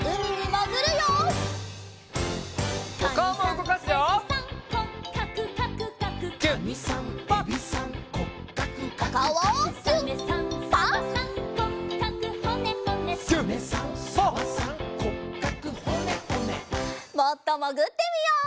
もっともぐってみよう。